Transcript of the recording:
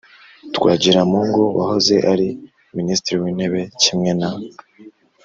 twagiramungu wahoze ari minisitiri w'intebe, kimwe na